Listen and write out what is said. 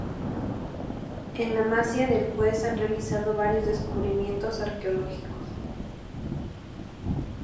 En la Masía del Juez han realizado varios descubrimientos arqueológicos.